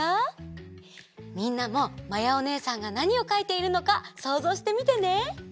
みんなもまやおねえさんがなにをかいているのかそうぞうしてみてね。